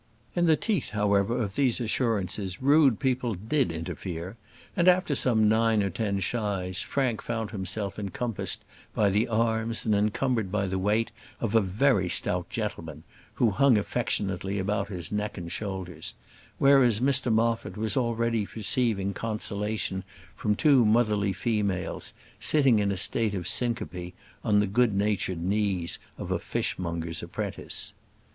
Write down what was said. In the teeth, however, of these assurances, rude people did interfere, and after some nine or ten shies Frank found himself encompassed by the arms, and encumbered by the weight of a very stout gentleman, who hung affectionately about his neck and shoulders; whereas, Mr Moffat was already receiving consolation from two motherly females, sitting in a state of syncope on the good natured knees of a fishmonger's apprentice.